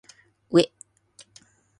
うぇ